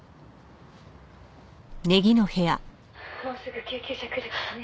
「もうすぐ救急車来るからね。